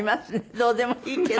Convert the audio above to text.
どうでもいいけど。